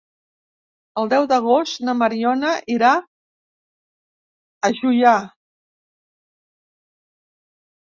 El deu d'agost na Mariona irà a Juià.